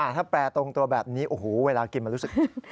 ถ้าแปรตรงตัวแบบนี้โอ้โหเวลากินมันรู้สึก